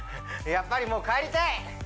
やっぱりもう帰りたい！